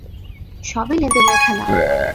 সবই লেনদেনের খেলা!